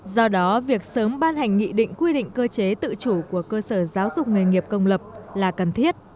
do đó việc sớm ban hành nghị định quy định cơ chế tự chủ của cơ sở giáo dục nghề nghiệp công lập là cần thiết